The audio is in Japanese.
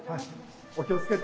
お気をつけて。